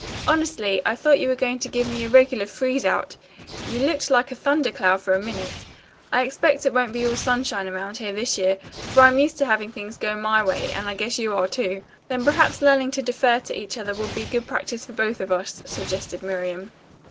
"Honestly, I thought you were going to give me a regular freeze out. You looked like a thunder cloud for a minute. I expect it won't be all sunshine around here, this year, for I'm used to having things go my way, and I guess you are, too." "Then perhaps learning to defer to each other will be good practice for both of us," suggested Miriam.